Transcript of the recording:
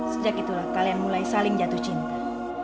sejak itulah kalian mulai saling jatuh cinta